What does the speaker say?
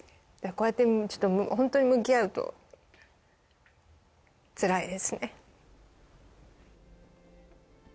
こうやってちょっとホントに向き合うとつらいですね